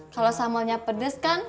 kalau samolnya pedes kan